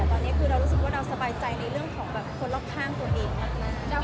ตอนนี้คือเรารู้สึกว่าเราสบายใจในเรื่องของคนรอบข้างตัวเองมาก